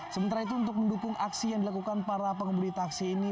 sementara itu untuk mendukung aksi yang dilakukan para pengemudi taksi ini